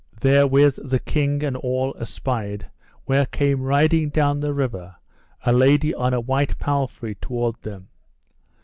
Therewith the king and all espied where came riding down the river a lady on a white palfrey toward them.